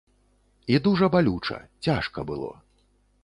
І дужа балюча, цяжка было.